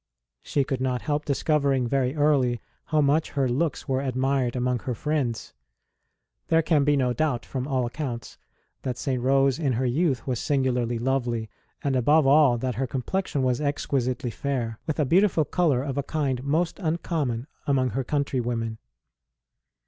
She could not help discovering very early how much her looks were admired among her friends. There can be no doubt, from all accounts, that St. Rose in her youth was singularly lovely, and, above all, that her complexion was exquisitely fair, with a beautiful colour of a kind most uncommon among her countrywomen.